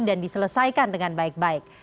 dan diselesaikan dengan baik baik